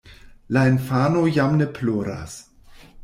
La infano jam ne ploras.